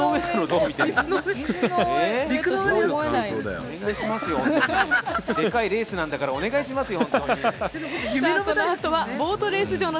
でかいレースなんですから、お願いしますよ。